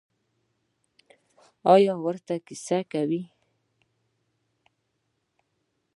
ایا ورته کیسې کوئ؟